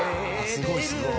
すごいすごい。